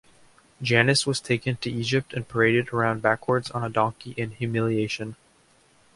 Janus was taken to Egypt and paraded around backwards on a donkey in humiliation.